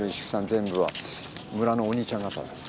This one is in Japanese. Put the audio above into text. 全部は村のお兄ちゃん方です。